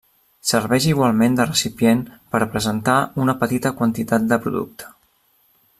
Serveix igualment de recipient per a presentar una petita quantitat de producte.